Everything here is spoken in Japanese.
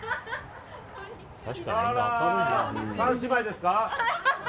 ３姉妹ですか？